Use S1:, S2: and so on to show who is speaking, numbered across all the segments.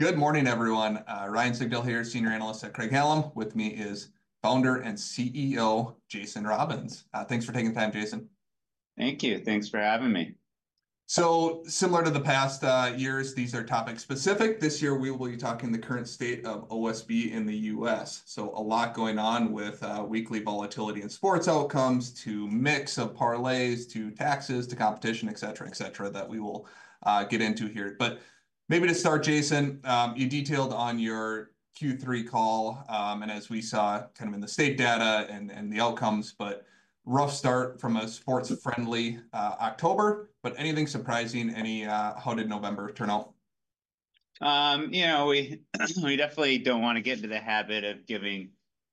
S1: Good morning, everyone. Ryan Sigdahl here, Senior Analyst at Craig-Hallum. With me is Founder and CEO Jason Robins. Thanks for taking the time, Jason.
S2: Thank you. Thanks for having me.
S1: So, similar to the past years, these are topic-specific. This year, we will be talking the current state of OSB in the U.S. So, a lot going on with weekly volatility in sports outcomes, the mix of parlays, to taxes, to competition, etc., etc., that we will get into here. But maybe to start, Jason, you detailed on your Q3 call, and as we saw kind of in the state data and the outcomes, but rough start from a sports-friendly October. But anything surprising? And how did November turn out?
S2: You know, we definitely don't want to get into the habit of giving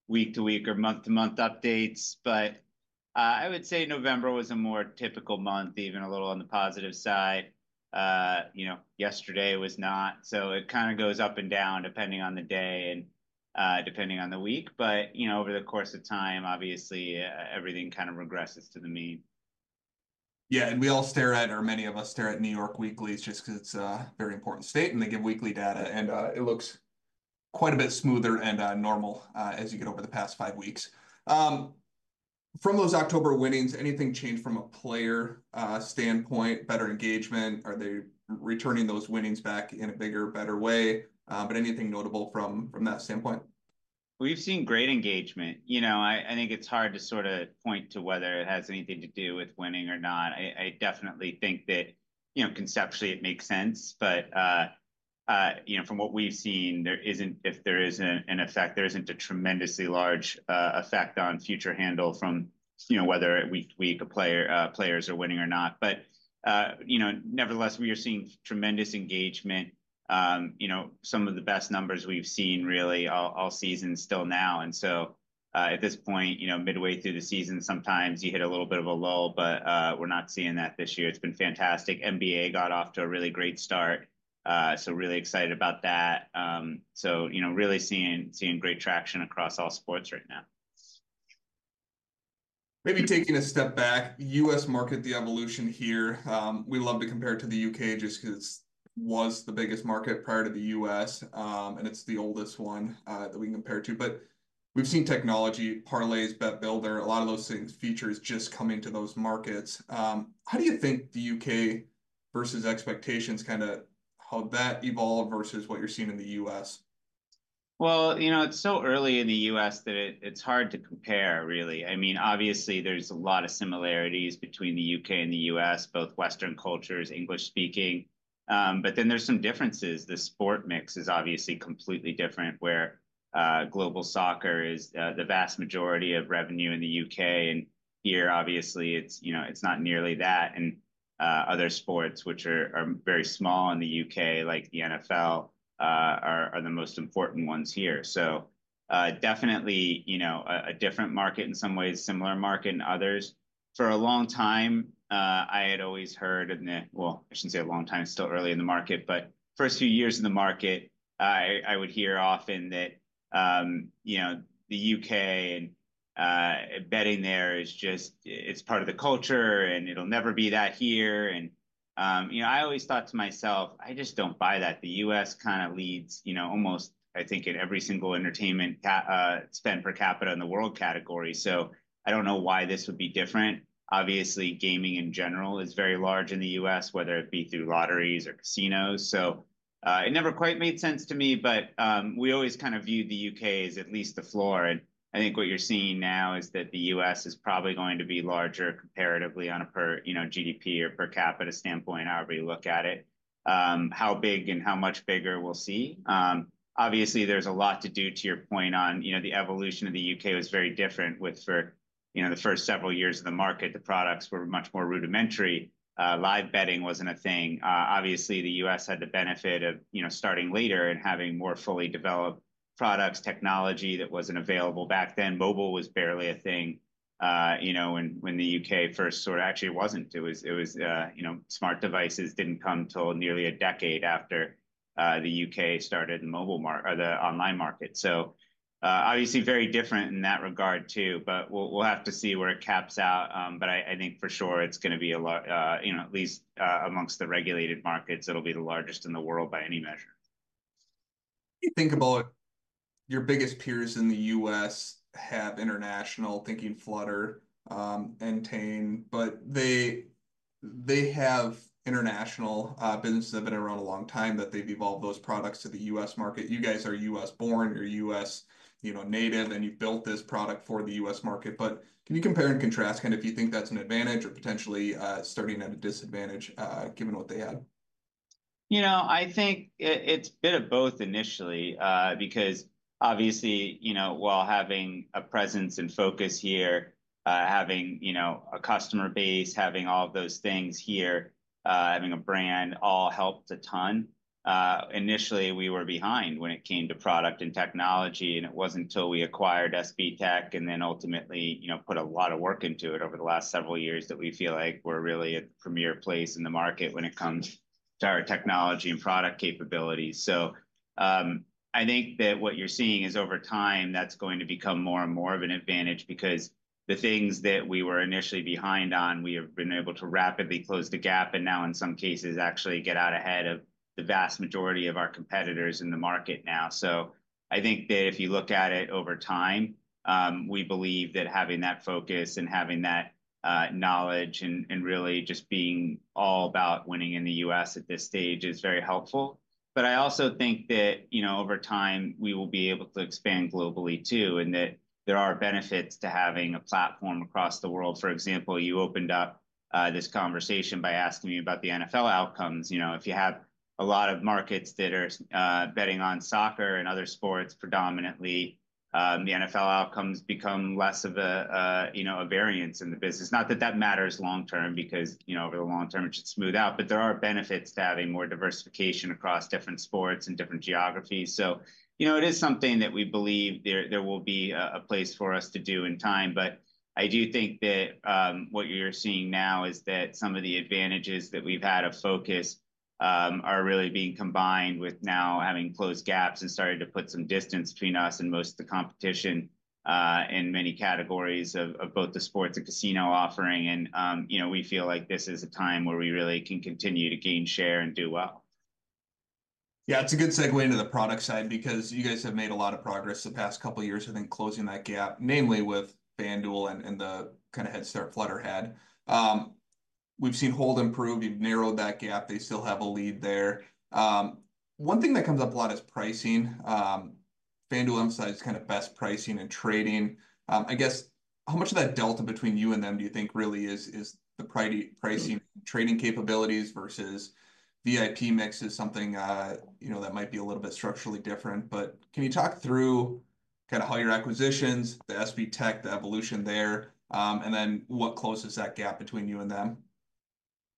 S2: week-to-week or month-to-month updates. But I would say November was a more typical month, even a little on the positive side. You know, yesterday was not. So, it kind of goes up and down depending on the day and depending on the week. But, you know, over the course of time, obviously, everything kind of regresses to the mean.
S1: Yeah, and we all stare at, or many of us stare at New York weekly. It's just because it's a very important state, and they give weekly data, and it looks quite a bit smoother and normal as you get over the past five weeks. From those October winnings, anything change from a player standpoint, better engagement? Are they returning those winnings back in a bigger, better way, but anything notable from that standpoint?
S2: We've seen great engagement. You know, I think it's hard to sort of point to whether it has anything to do with winning or not. I definitely think that, you know, conceptually, it makes sense, but, you know, from what we've seen, there isn't, if there is an effect, there isn't a tremendously large effect on future handle from, you know, whether week-to-week players are winning or not. But, you know, nevertheless, we are seeing tremendous engagement. You know, some of the best numbers we've seen, really, all seasons till now, and so, at this point, you know, midway through the season, sometimes you hit a little bit of a lull, but we're not seeing that this year. It's been fantastic. NBA got off to a really great start, so really excited about that, so, you know, really seeing great traction across all sports right now.
S1: Maybe taking a step back, U.S. market, the evolution here. We love to compare it to the U.K. just because it was the biggest market prior to the U.S., and it's the oldest one that we can compare to. But we've seen technology, parlays, Bet Builder, a lot of those things, features just coming to those markets. How do you think the U.K. versus expectations, kind of how that evolved versus what you're seeing in the U.S.?
S2: You know, it's so early in the U.S. that it's hard to compare, really. I mean, obviously, there's a lot of similarities between the U.K. and the U.S., both Western cultures, English-speaking, but then there's some differences. The sport mix is obviously completely different, where global soccer is the vast majority of revenue in the U.K., and here, obviously, it's, you know, it's not nearly that, and other sports, which are very small in the U.K., like the NFL, are the most important ones here, so, definitely, you know, a different market in some ways, similar market in others. For a long time, I had always heard, and well, I shouldn't say a long time, still early in the market, but first few years in the market, I would hear often that, you know, the U.K. And betting there is just, it's part of the culture, and it'll never be that here. And, you know, I always thought to myself, I just don't buy that. The U.S. kind of leads, you know, almost, I think, in every single entertainment spend per capita in the world category. So, I don't know why this would be different. Obviously, gaming in general is very large in the U.S., whether it be through lotteries or casinos. So, it never quite made sense to me, but we always kind of viewed the U.K. as at least the floor. And I think what you're seeing now is that the U.S. is probably going to be larger comparatively on a per, you know, GDP or per capita standpoint, however you look at it, how big and how much bigger we'll see. Obviously, there's a lot to do, to your point on, you know, the evolution of the U.K. was very different with, for, you know, the first several years of the market, the products were much more rudimentary. Live betting wasn't a thing. Obviously, the U.S. had the benefit of, you know, starting later and having more fully developed products, technology that wasn't available back then. Mobile was barely a thing, you know, when the U.K. first sort of actually wasn't. It was, you know, smart devices didn't come till nearly a decade after the U.K. started the mobile market or the online market. So, obviously, very different in that regard, too. But we'll have to see where it caps out. But I think for sure it's going to be a lot, you know, at least amongst the regulated markets, it'll be the largest in the world by any measure.
S1: You think about your biggest peers in the U.S., have international, thinking Flutter, Entain, but they have international businesses that have been around a long time, that they've evolved those products to the U.S. market. You guys are U.S. born, you're U.S., you know, native, and you've built this product for the U.S. market. But can you compare and contrast, kind of, if you think that's an advantage or potentially starting at a disadvantage, given what they had?
S2: You know, I think it's a bit of both initially, because, obviously, you know, while having a presence and focus here, having, you know, a customer base, having all of those things here, having a brand all helped a ton. Initially, we were behind when it came to product and technology, and it wasn't until we acquired SBTech and then ultimately, you know, put a lot of work into it over the last several years that we feel like we're really at the premier place in the market when it comes to our technology and product capabilities. So, I think that what you're seeing is, over time, that's going to become more and more of an advantage, because the things that we were initially behind on, we have been able to rapidly close the gap and now, in some cases, actually get out ahead of the vast majority of our competitors in the market now. So, I think that if you look at it over time, we believe that having that focus and having that knowledge and really just being all about winning in the U.S. at this stage is very helpful. But I also think that, you know, over time, we will be able to expand globally, too, and that there are benefits to having a platform across the world. For example, you opened up this conversation by asking me about the NFL outcomes. You know, if you have a lot of markets that are betting on soccer and other sports predominantly, the NFL outcomes become less of a, you know, a variance in the business. Not that that matters long term, because, you know, over the long term, it should smooth out, but there are benefits to having more diversification across different sports and different geographies. So, you know, it is something that we believe there will be a place for us to do in time. But I do think that what you're seeing now is that some of the advantages that we've had of focus are really being combined with now having closed gaps and starting to put some distance between us and most of the competition in many categories of both the sports and casino offering. You know, we feel like this is a time where we really can continue to gain share and do well.
S1: Yeah, it's a good segue into the product side, because you guys have made a lot of progress the past couple of years, I think, closing that gap, namely with FanDuel and the kind of head start Flutter had. We've seen hold improve. You've narrowed that gap. They still have a lead there. One thing that comes up a lot is pricing. FanDuel emphasizes kind of best pricing and trading. I guess, how much of that delta between you and them do you think really is the pricing and trading capabilities versus VIP mix is something, you know, that might be a little bit structurally different? But can you talk through kind of how your acquisitions, the SBTech, the evolution there, and then what closes that gap between you and them?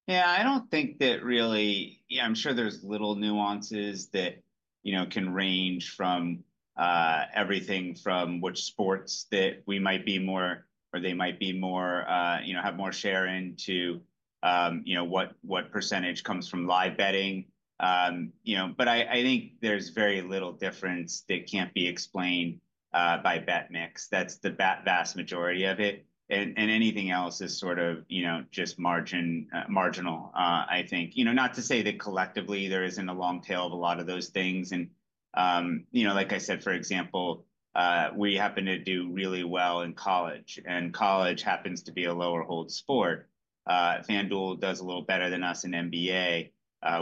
S2: Yeah, I don't think that really. Yeah, I'm sure there's little nuances that, you know, can range from everything from which sports that we might be more, or they might be more, you know, have more share in to, you know, what percentage comes from live betting, you know. But I think there's very little difference that can't be explained by bet mix. That's the vast majority of it. And anything else is sort of, you know, just marginal, I think. You know, not to say that collectively there isn't a long tail of a lot of those things. And, you know, like I said, for example, we happen to do really well in college. And college happens to be a lower hold sport. FanDuel does a little better than us in NBA,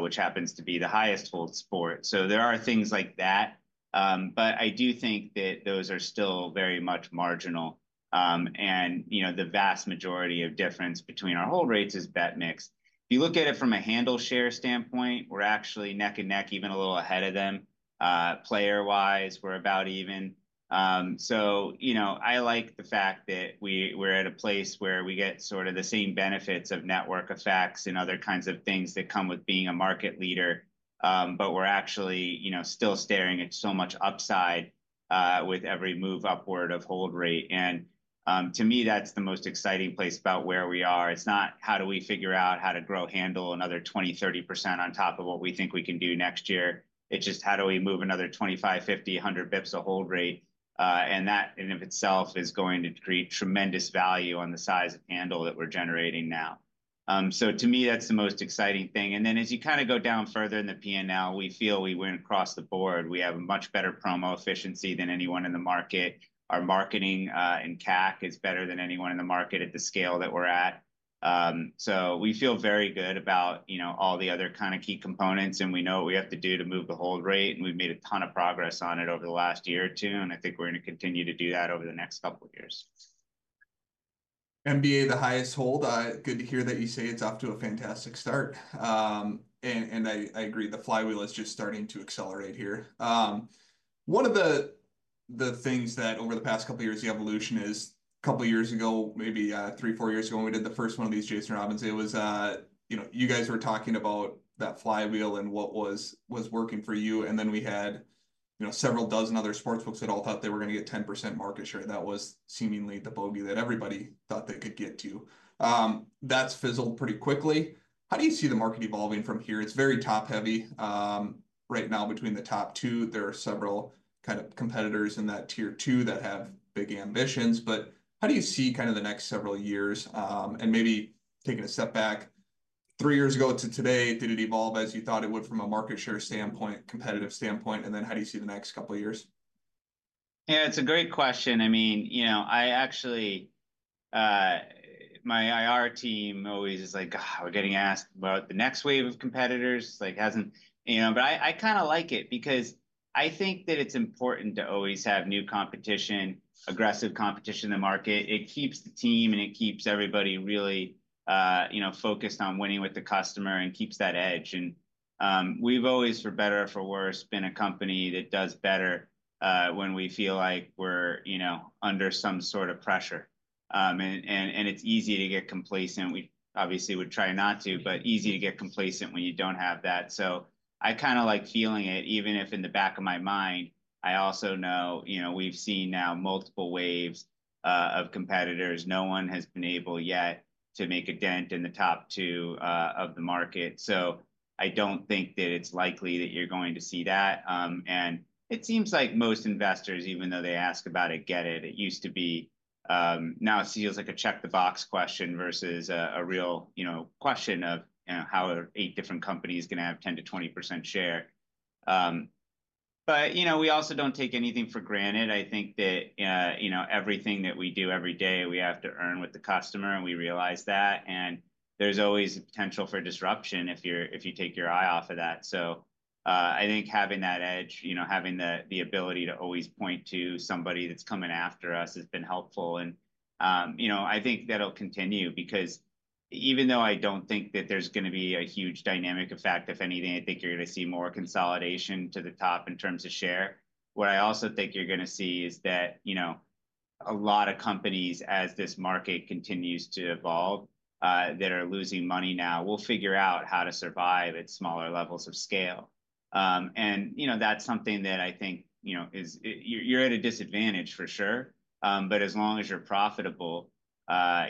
S2: which happens to be the highest hold sport. So, there are things like that. But I do think that those are still very much marginal. And, you know, the vast majority of difference between our hold rates is bet mix. If you look at it from a handle share standpoint, we're actually neck and neck, even a little ahead of them. Player-wise, we're about even. So, you know, I like the fact that we're at a place where we get sort of the same benefits of network effects and other kinds of things that come with being a market leader. But we're actually, you know, still staring at so much upside with every move upward of hold rate. And to me, that's the most exciting place about where we are. It's not, how do we figure out how to grow handle another 20%-30% on top of what we think we can do next year. It's just, how do we move another 25, 50, 100 basis points of hold rate? And that in and of itself is going to create tremendous value on the size of handle that we're generating now. So, to me, that's the most exciting thing. And then, as you kind of go down further in the P&L, we feel we win across the board. We have a much better promo efficiency than anyone in the market. Our marketing and CAC is better than anyone in the market at the scale that we're at. So, we feel very good about, you know, all the other kind of key components, and we know what we have to do to move the hold rate. And we've made a ton of progress on it over the last year or two, and I think we're going to continue to do that over the next couple of years.
S1: NBA, the highest hold. Good to hear that you say it's off to a fantastic start. And I agree, the flywheel is just starting to accelerate here. One of the things that over the past couple of years, the evolution is, a couple of years ago, maybe three, four years ago when we did the first one of these, Jason Robins, it was, you know, you guys were talking about that flywheel and what was working for you. And then we had, you know, several dozen other sports folks that all thought they were going to get 10% market share. That was seemingly the bogey that everybody thought they could get to. That's fizzled pretty quickly. How do you see the market evolving from here? It's very top-heavy. Right now, between the top two, there are several kind of competitors in that tier two that have big ambitions. But how do you see kind of the next several years? And maybe taking a step back, three years ago to today, did it evolve as you thought it would from a market share standpoint, competitive standpoint? And then how do you see the next couple of years?
S2: Yeah, it's a great question. I mean, you know, I actually, my IR team always is like, we're getting asked about the next wave of competitors. It's like, hasn't, you know. But I kind of like it, because I think that it's important to always have new competition, aggressive competition in the market. It keeps the team and it keeps everybody really, you know, focused on winning with the customer and keeps that edge. And we've always, for better or for worse, been a company that does better when we feel like we're, you know, under some sort of pressure. And it's easy to get complacent. We obviously would try not to, but easy to get complacent when you don't have that. So, I kind of like feeling it, even if in the back of my mind, I also know, you know, we've seen now multiple waves of competitors. No one has been able yet to make a dent in the top two of the market. So, I don't think that it's likely that you're going to see that. And it seems like most investors, even though they ask about it, get it. It used to be, now it feels like a check-the-box question versus a real, you know, question of how are eight different companies going to have 10%-20% share. But, you know, we also don't take anything for granted. I think that, you know, everything that we do every day, we have to earn with the customer, and we realize that. And there's always a potential for disruption if you take your eye off of that. So, I think having that edge, you know, having the ability to always point to somebody that's coming after us has been helpful. You know, I think that'll continue, because even though I don't think that there's going to be a huge dynamic effect, if anything, I think you're going to see more consolidation to the top in terms of share. What I also think you're going to see is that, you know, a lot of companies, as this market continues to evolve, that are losing money now will figure out how to survive at smaller levels of scale. You know, that's something that I think, you know, is you're at a disadvantage for sure. But as long as you're profitable,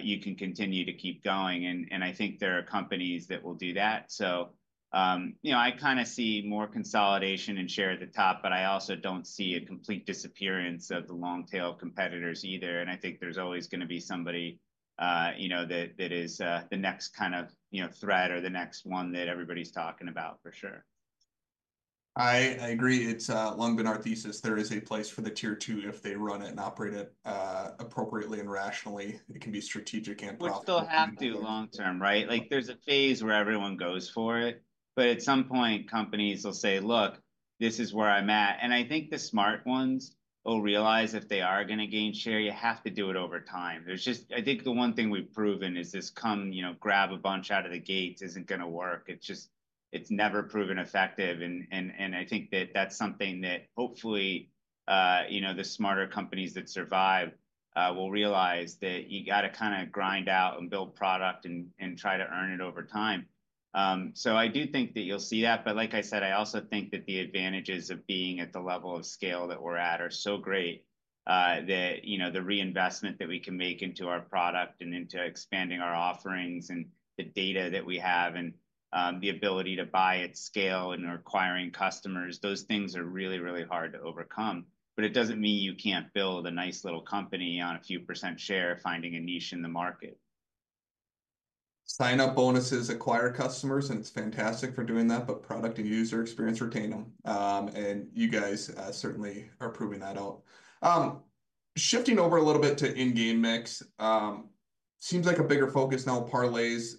S2: you can continue to keep going. I think there are companies that will do that. You know, I kind of see more consolidation and share at the top, but I also don't see a complete disappearance of the long-tail competitors either. I think there's always going to be somebody, you know, that is the next kind of, you know, threat or the next one that everybody's talking about for sure.
S1: I agree. It's long been our thesis. There is a place for the tier two if they run it and operate it appropriately and rationally. It can be strategic and profitable.
S2: We'll still have to long term, right? Like, there's a phase where everyone goes for it. But at some point, companies will say, look, this is where I'm at. And I think the smart ones will realize if they are going to gain share, you have to do it over time. There's just, I think the one thing we've proven is this come, you know, grab a bunch out of the gate isn't going to work. It's just, it's never proven effective. And I think that that's something that hopefully, you know, the smarter companies that survive will realize that you got to kind of grind out and build product and try to earn it over time. So, I do think that you'll see that. But like I said, I also think that the advantages of being at the level of scale that we're at are so great that, you know, the reinvestment that we can make into our product and into expanding our offerings and the data that we have and the ability to buy at scale and acquiring customers, those things are really, really hard to overcome. But it doesn't mean you can't build a nice little company on a few percent share finding a niche in the market.
S1: Sign-up bonuses acquire customers, and it's fantastic for doing that, but product and user experience retain them, and you guys certainly are proving that out. Shifting over a little bit to in-game mix, seems like a bigger focus now, parlays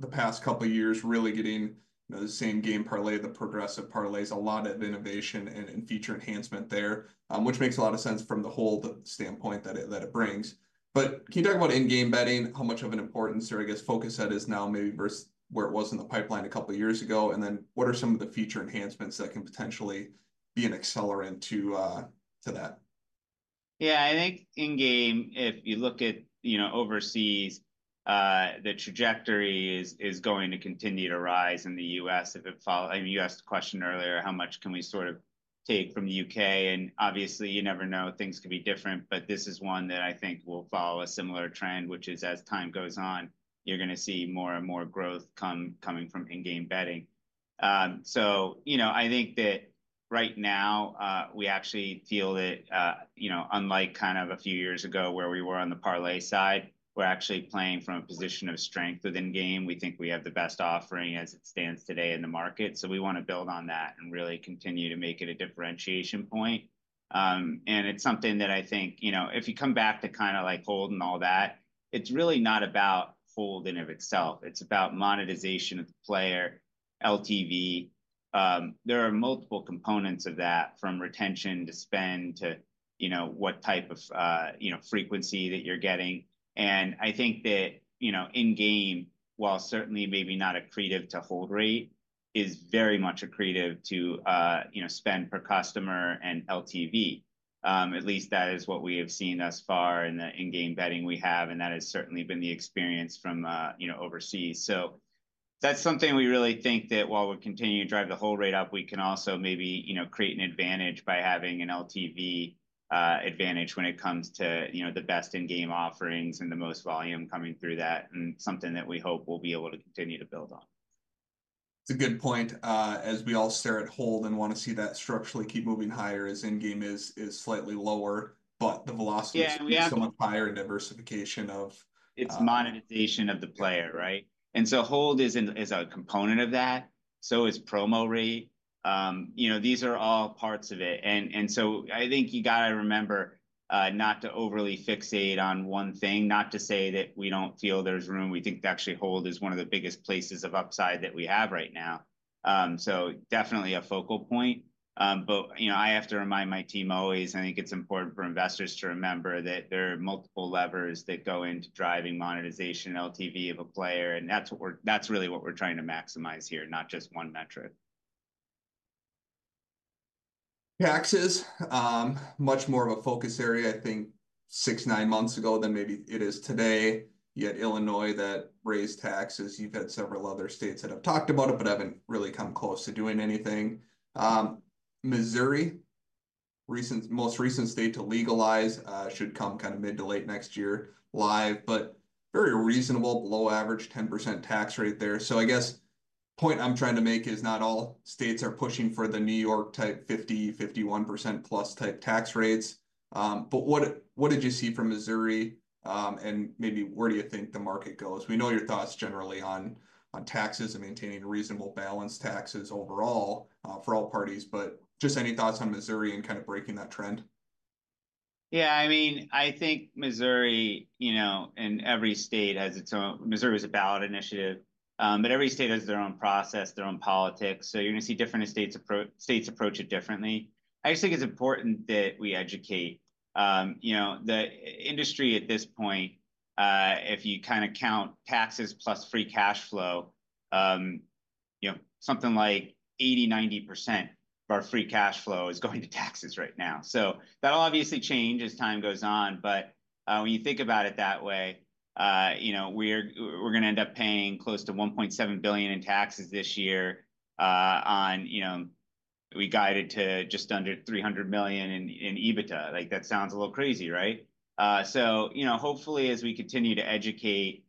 S1: the past couple of years really getting the Same Game Parlay, the Progressive Parlays. A lot of innovation and feature enhancement there, which makes a lot of sense from the hold standpoint that it brings, but can you talk about in-game betting, how much of an importance or, I guess, focus that is now maybe versus where it was in the pipeline a couple of years ago, and then what are some of the feature enhancements that can potentially be an accelerant to that?
S2: Yeah, I think in-game, if you look at, you know, overseas, the trajectory is going to continue to rise in the U.S. If it follows, I mean, you asked the question earlier, how much can we sort of take from the U.K.? And obviously, you never know, things could be different. But this is one that I think will follow a similar trend, which is as time goes on, you're going to see more and more growth coming from in-game betting. So, you know, I think that right now, we actually feel that, you know, unlike kind of a few years ago where we were on the parlay side, we're actually playing from a position of strength within game. We think we have the best offering as it stands today in the market. So, we want to build on that and really continue to make it a differentiation point. It's something that I think, you know, if you come back to kind of like hold and all that, it's really not about hold in and of itself. It's about monetization of the player, LTV. There are multiple components of that from retention to spend to, you know, what type of, you know, frequency that you're getting. And I think that, you know, in-game, while certainly maybe not a creative to hold rate, is very much a creative to, you know, spend per customer and LTV. At least that is what we have seen thus far in the in-game betting we have. And that has certainly been the experience from, you know, overseas. So, that's something we really think that while we continue to drive the hold rate up, we can also maybe, you know, create an advantage by having an LTV advantage when it comes to, you know, the best in-game offerings and the most volume coming through that and something that we hope we'll be able to continue to build on.
S1: It's a good point. As we all stare at hold and want to see that structurally keep moving higher as in-game is slightly lower, but the velocity is so much higher and diversification of.
S2: It's monetization of the player, right? And so, hold is a component of that. So, is promo rate. You know, these are all parts of it. And so, I think you got to remember not to overly fixate on one thing, not to say that we don't feel there's room. We think actually hold is one of the biggest places of upside that we have right now. So, definitely a focal point. But, you know, I have to remind my team always, I think it's important for investors to remember that there are multiple levers that go into driving monetization and LTV of a player. And that's really what we're trying to maximize here, not just one metric.
S1: Taxes, much more of a focus area, I think, six, nine months ago than maybe it is today. You had Illinois that raised taxes. You've had several other states that have talked about it, but haven't really come close to doing anything. Missouri, most recent state to legalize, should come kind of mid to late next year live, but very reasonable, below average 10% tax rate there. So, I guess point I'm trying to make is not all states are pushing for the New York type 50%, 51% plus type tax rates. But what did you see from Missouri? And maybe where do you think the market goes? We know your thoughts generally on taxes and maintaining reasonable balance taxes overall for all parties, but just any thoughts on Missouri and kind of breaking that trend?
S2: Yeah, I mean, I think Missouri, you know, and every state has its own. Missouri is a ballot initiative, but every state has their own process, their own politics. So, you're going to see different states approach it differently. I just think it's important that we educate, you know, the industry at this point. If you kind of count taxes plus free cash flow, you know, something like 80%-90% of our free cash flow is going to taxes right now. So, that'll obviously change as time goes on. But when you think about it that way, you know, we're going to end up paying close to $1.7 billion in taxes this year on, you know, we guided to just under $300 million in EBITDA. Like, that sounds a little crazy, right? So, you know, hopefully as we continue to educate,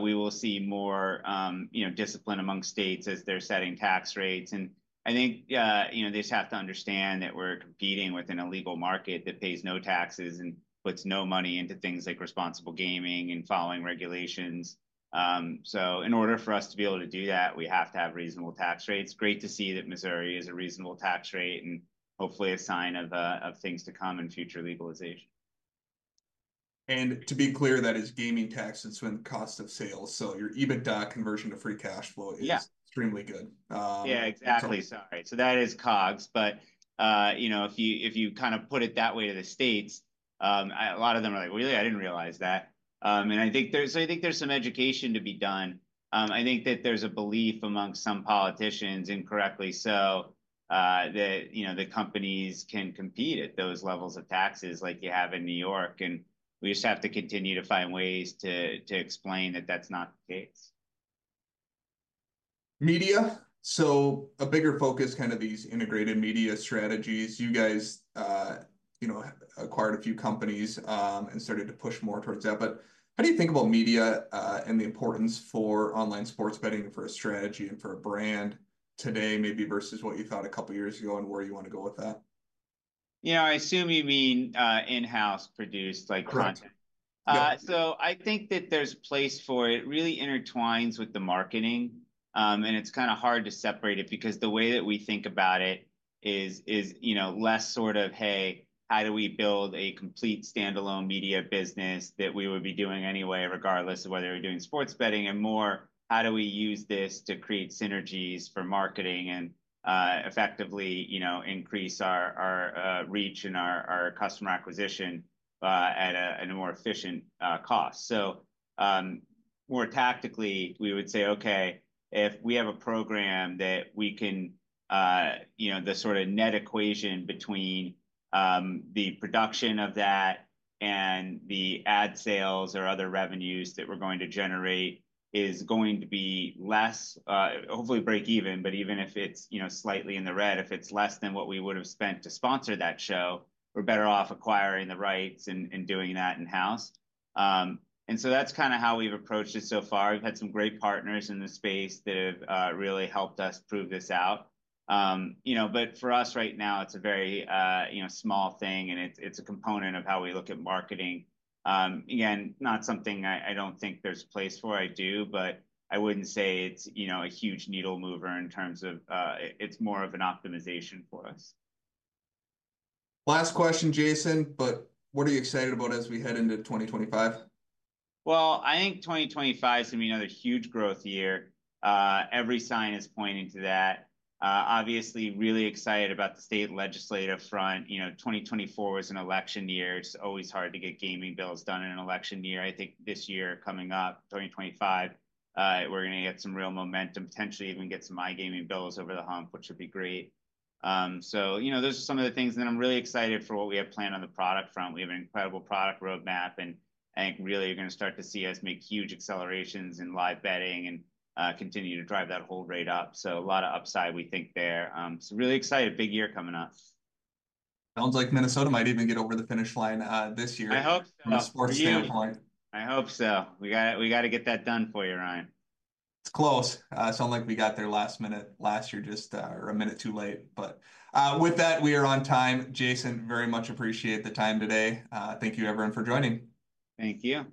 S2: we will see more, you know, discipline among states as they're setting tax rates. And I think, you know, they just have to understand that we're competing with an illegal market that pays no taxes and puts no money into things like responsible gaming and following regulations. So, in order for us to be able to do that, we have to have reasonable tax rates. Great to see that Missouri is a reasonable tax rate and hopefully a sign of things to come in future legalization.
S1: To be clear, that is gaming tax that's in the cost of sales. Your EBITDA conversion to free cash flow is extremely good.
S2: Yeah, exactly. Sorry. So, that is COGS. But, you know, if you kind of put it that way to the states, a lot of them are like, well, yeah, I didn't realize that. And I think there's some education to be done. I think that there's a belief among some politicians, incorrectly so, that, you know, the companies can compete at those levels of taxes like you have in New York. And we just have to continue to find ways to explain that that's not the case.
S1: Media. So, a bigger focus kind of these integrated media strategies. You guys, you know, acquired a few companies and started to push more towards that. But how do you think about media and the importance for online sports betting for a strategy and for a brand today maybe versus what you thought a couple of years ago and where you want to go with that?
S2: Yeah, I assume you mean in-house produced like content. So, I think that there's a place for it. It really intertwines with the marketing, and it's kind of hard to separate it because the way that we think about it is, you know, less sort of, hey, how do we build a complete standalone media business that we would be doing anyway regardless of whether we're doing sports betting and more, how do we use this to create synergies for marketing and effectively, you know, increase our reach and our customer acquisition at a more efficient cost? So, more tactically, we would say, okay, if we have a program that we can, you know, the sort of net equation between the production of that and the ad sales or other revenues that we're going to generate is going to be less, hopefully break even, but even if it's, you know, slightly in the red, if it's less than what we would have spent to sponsor that show, we're better off acquiring the rights and doing that in-house. And so, that's kind of how we've approached it so far. We've had some great partners in the space that have really helped us prove this out. You know, but for us right now, it's a very, you know, small thing and it's a component of how we look at marketing. Again, not something I don't think there's a place for. I do, but I wouldn't say it's, you know, a huge needle mover in terms of it's more of an optimization for us.
S1: Last question, Jason, but what are you excited about as we head into 2025?
S2: I think 2025 is going to be another huge growth year. Every sign is pointing to that. Obviously, really excited about the state legislative front. You know, 2024 was an election year. It's always hard to get gaming bills done in an election year. I think this year coming up, 2025, we're going to get some real momentum, potentially even get some iGaming bills over the hump, which would be great. You know, those are some of the things that I'm really excited for what we have planned on the product front. We have an incredible product roadmap and I think really you're going to start to see us make huge accelerations in live betting and continue to drive that hold rate up. A lot of upside we think there. Really excited, big year coming up.
S1: Sounds like Minnesota might even get over the finish line this year.
S2: I hope so.
S1: From a sports standpoint.
S2: I hope so. We got to get that done for you, Ryan.
S1: It's close. Sounds like we got there last minute last year, just a minute too late. But with that, we are on time. Jason, very much appreciate the time today. Thank you, everyone, for joining.
S2: Thank you.